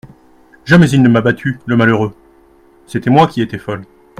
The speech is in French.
Jamais il ne m'a battue, le malheureux ! C'était moi qui étais folle.